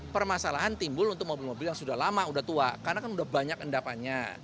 permasalahan timbul untuk mobil mobil yang sudah lama sudah tua karena kan udah banyak endapannya